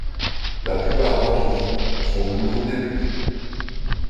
La plupart d’entre vous sont de nouveaux députés.